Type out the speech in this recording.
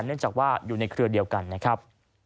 เนื่องจากว่าอยู่ในเครือเดียวกันนะครับ